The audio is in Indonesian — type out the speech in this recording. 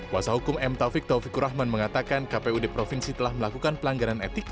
wasah hukum m taufik taufikur rahman mengatakan kpu dki jakarta telah melakukan pelanggaran etik